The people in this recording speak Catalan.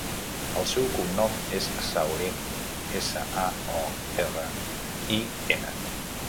El seu cognom és Saorin: essa, a, o, erra, i, ena.